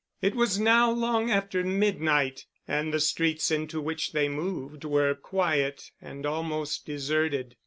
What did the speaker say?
It was now long after midnight, and the streets into which they moved were quiet and almost deserted.